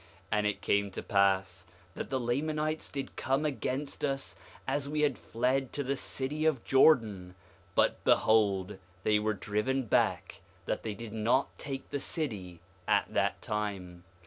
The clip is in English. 5:3 And it came to pass that the Lamanites did come against us as we had fled to the city of Jordan; but behold, they were driven back that they did not take the city at that time.